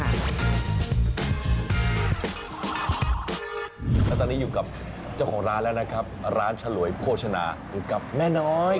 แล้วตอนนี้อยู่กับเจ้าของร้านแล้วนะครับร้านฉลวยโภชนาอยู่กับแม่น้อย